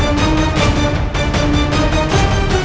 aku mau tahu seberapa hebat